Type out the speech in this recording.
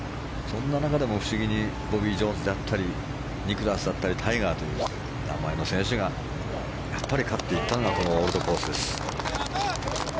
そんな中でも不思議にボビー・ジョーンズであったりニクラウスだったりタイガーという名前の選手がやっぱり勝っていったのがこのオールドコースです。